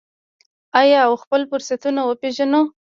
آیا او خپل فرصتونه وپیژنو؟